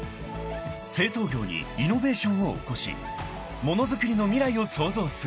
［製造業にイノベーションを起こしものづくりの未来を創造する］